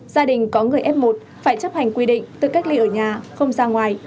gia đình có người f một phải chấp hành quy định tự cách ly ở nhà không ra ngoài